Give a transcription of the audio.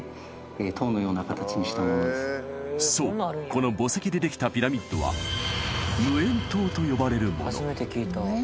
この墓石でできたピラミッドは無縁塔と呼ばれるもの